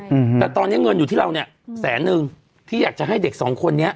อืมแต่ตอนเนี้ยเงินอยู่ที่เราเนี้ยแสนนึงที่อยากจะให้เด็กสองคนเนี้ย